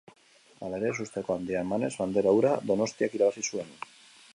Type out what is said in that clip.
Hala ere, ezusteko handia emanez bandera hura Donostiak irabazi zuen.